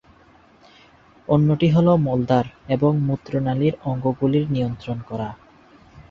অন্যটি হল মলদ্বার এবং মূত্রনালির অঙ্গগুলির নিয়ন্ত্রণ করা।।।